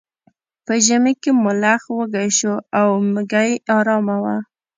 په ژمي کې ملخ وږی شو او میږی ارامه وه.